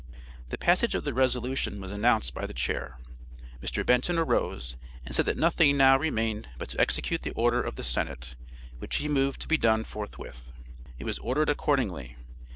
The passage of the resolution was announced by the chair. Mr. Benton arose, and said that nothing now remained but to execute the order of the Senate, which he moved to be done forthwith. It was ordered accordingly.